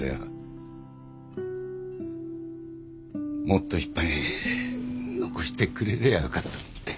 もっといっぱい残してくれりゃよかったのにって。